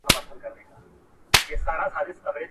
په تېرو پېړیو کې علمي پرمختګونه وسول.